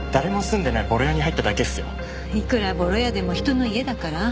いくらボロ家でも人の家だから。